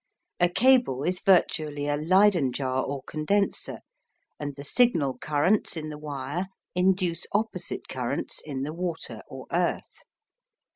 A cable is virtually a Leyden jar or condenser, and the signal currents in the wire induce opposite currents in the water or earth.